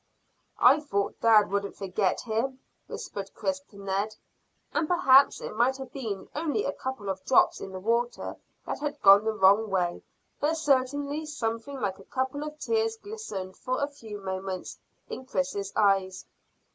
"I thought dad wouldn't forget him," whispered Chris to Ned, and perhaps it might have been only a couple of drops of the water that had gone the wrong way, but certainly something like a couple of tears glistened for a few moments in Chris's eyes.